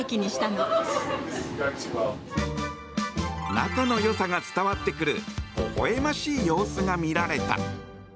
仲の良さが伝わってくるほほ笑ましい様子が見られた。